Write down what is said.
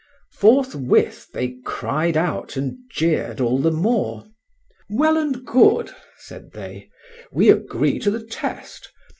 Forthwith they cried out and jeered all the more. "Well and good," said they; "we agree to the test.